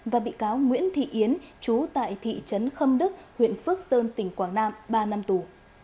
và bị cáo nguyễn thị yến chú tại thị trấn khâm đức huyện phước sơn tỉnh quảng nam ba năm tù